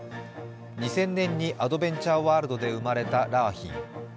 ２０００年にアドベンチャーワールドで生まれた良浜。